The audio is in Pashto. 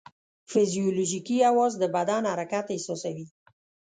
فزیولوژیکي حواس د بدن حرکت احساسوي.